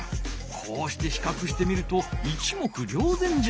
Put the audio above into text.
こうしてひかくしてみると一目りょうぜんじゃ。